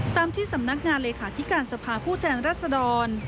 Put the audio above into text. ตามที่สำนักงานเลขาธิการสภาผู้แทนรัศดร